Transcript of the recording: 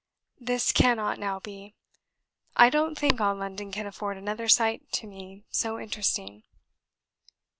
This cannot now be. I don't think all London can afford another sight to me so interesting."